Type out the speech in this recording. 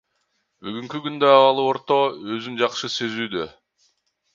Бүгүнкү күндө абалы орто, өзүн жакшы сезүүдө.